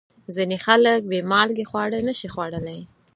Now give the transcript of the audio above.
ځینې خلک بې مالګې خواړه نشي خوړلی.